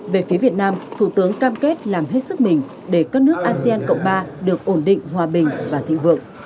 về phía việt nam thủ tướng cam kết làm hết sức mình để các nước asean cộng ba được ổn định hòa bình và thịnh vượng